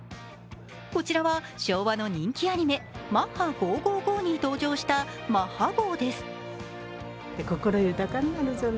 こちらは昭和の人気アニメ「マッハＧｏＧｏＧｏ」に登場したマッハ号です。